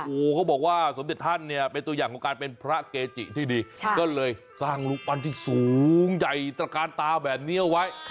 โอ้โหเขาบอกว่าสมเด็จท่านเนี่ยเป็นตัวอย่างของการเป็นพระเกจิที่ดีก็เลยสร้างรูปปั้นที่สูงใหญ่ตระกาลตาแบบนี้เอาไว้